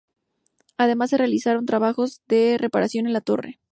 Además se realizaron trabajos de reparación en la torre.